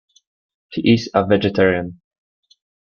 He is a vegetarian.